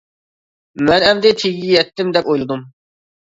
مەن ئەمدى تېگىگە يەتتىم دەپ ئويلىدىم.